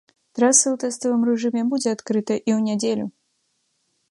Траса ў тэставым рэжыме будзе адкрытая і ў нядзелю.